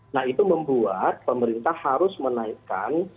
nah itu membuat pemerintah harus menaikkan